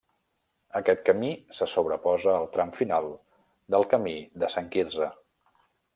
Aquest camí se sobreposa al tram final del Camí de Sant Quirze.